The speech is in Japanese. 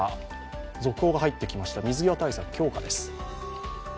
続報が入ってきました、水際対策強化です。